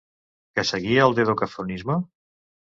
Què seguí al dodecafonisme?